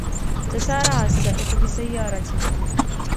تسارع السائق بسيارته.